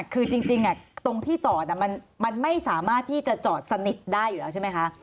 คือจริงตรงที่จอดมันไม่สามารถที่จะจอดสนิทได้อยู่แล้วใช่ไหมคะ